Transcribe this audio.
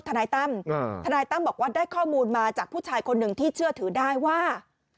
ทนายตั้มทนายตั้มบอกว่าได้ข้อมูลมาจากผู้ชายคนหนึ่งที่เชื่อถือได้ว่า